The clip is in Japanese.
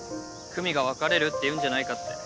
久美が別れるって言うんじゃないかって。